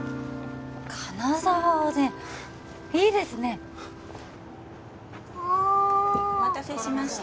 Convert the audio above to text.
金沢おでんいいですねああお待たせしました